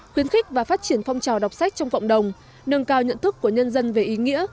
khuyến khích và phát triển phong trào đọc sách trong cộng đồng nâng cao nhận thức của nhân dân về ý nghĩa